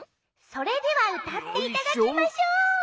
それではうたっていただきましょう。